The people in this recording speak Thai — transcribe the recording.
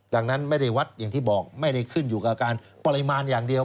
ดังนั้นไม่ได้วัดอย่างที่บอกไม่ได้ขึ้นอยู่กับการปริมาณอย่างเดียว